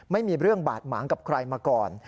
ไม่มีเรื่องบาดหมางกับใครมาก่อน